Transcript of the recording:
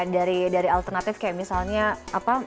dari alternatif kayak misalnya